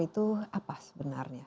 itu apa sebenarnya